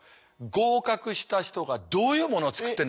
合格した人がどういうものを作ってんだ。